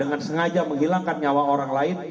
dengan sengaja menghilangkan nyawa orang lain